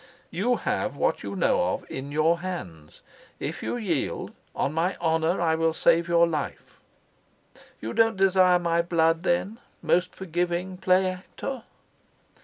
"You have what you know of in your hands. If you yield, on my honor I will save your life." "You don't desire my blood, then, most forgiving play actor?"